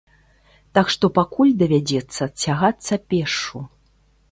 Так што пакуль давядзецца цягацца пешшу.